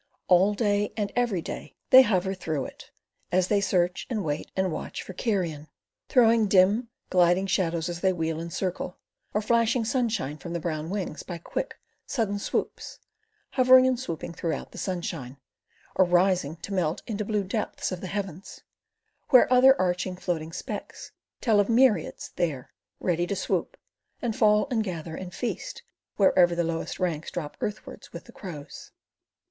All day and every day they hover throughout it, as they search and wait and watch for carrion, throwing dim, gliding shadows as they wheel and circle, or flashing sunshine from brown wings by quick, sudden swoops, hovering and swooping throughout the sunshine, or rising to melt into blue depths of the heavens, where other arching, floating specks tell of myriads there, ready to swoop, and fall and gather and feast wherever their lowest ranks drop earthwards with the crows.